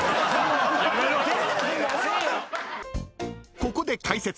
［ここで解説！